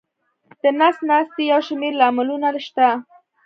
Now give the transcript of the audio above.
د نس ناستي یو شمېر لاملونه شته.